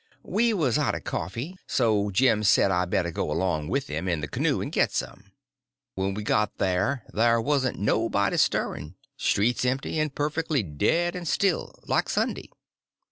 We was out of coffee, so Jim said I better go along with them in the canoe and get some. When we got there there warn't nobody stirring; streets empty, and perfectly dead and still, like Sunday.